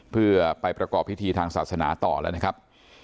เพื่อไปประกอบพิธีทางศาสนาต่อแล้วนะครับ